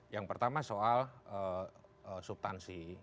yang pertama soal subtansi